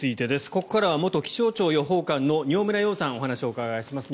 ここからは元気象庁予報官の饒村曜さんにお話をお伺いします。